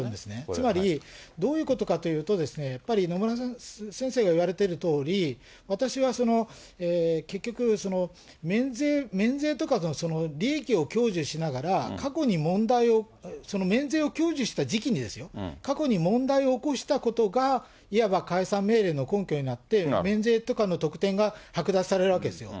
つまり、どういうことかというと、やっぱり野村先生が言われているとおり、私は結局、免税とかの利益を享受しながら、過去に問題を、免税を享受した時期にですよ、過去に問題を起こしたことがいわば解散命令の根拠になって、免税とかの特典が剥奪されるわけですよ。